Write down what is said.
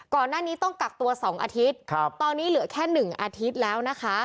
ก่อนหน้านี้ต้องกักตัว๒อาทิตย์ตอนนี้เหลือแค่๑อาทิตย์แล้วนะคะ